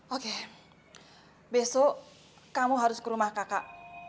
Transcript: oke besok kamu harus ke rumah kakak